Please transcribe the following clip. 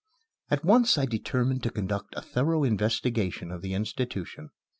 At once I determined to conduct a thorough investigation of the institution.